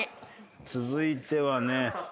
続いてはね。